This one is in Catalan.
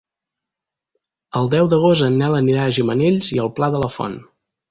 El deu d'agost en Nel anirà a Gimenells i el Pla de la Font.